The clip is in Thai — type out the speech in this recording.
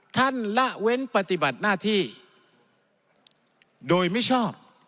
ละเว้นปฏิบัติหน้าที่โดยมิชอบ